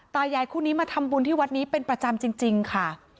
ตายายคู่นี้มาทำบุญที่วัดนี้เป็นประจำจริงค่ะ